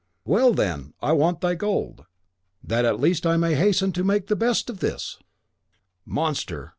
Well, then, I want thy gold, that at least I may hasten to make the best of this!" "Monster!